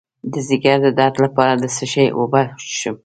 د ځیګر د درد لپاره د څه شي اوبه وڅښم؟